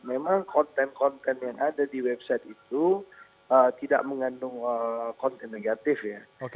memang konten konten yang ada di website itu tidak mengandung konten negatif ya